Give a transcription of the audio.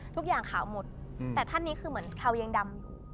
ทุกอย่างขาวหมดแต่ท่านนี้คือเหมือนเทายังดำอยู่